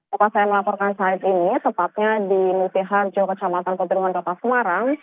tempat saya melaporkan saat ini tepatnya di nusiharjo kecamatan petirwan kota semarang